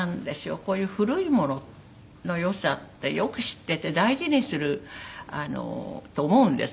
こういう古いものの良さってよく知ってて大事にすると思うんですね。